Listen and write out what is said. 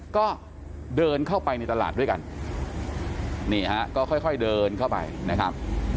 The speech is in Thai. ก็เดินเข้าไปในตลาดด้วยกันนี่ฮะก็ค่อยค่อยเดินเข้าไปนะครับ